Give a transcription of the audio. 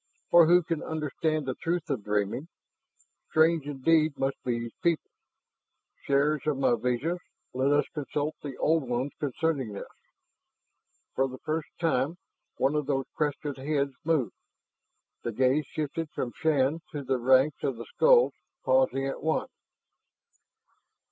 Or who can understand the truth of dreaming! Strange indeed must be his people. Sharers of my visions, let us consult the Old Ones concerning this." For the first time one of those crested heads moved, the gaze shifted from Shann to the ranks of the skulls, pausing at one.